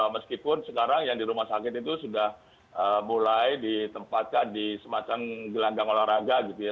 meskipun sekarang yang di rumah sakit itu sudah mulai ditempatkan di semacam gelanggang olahraga gitu ya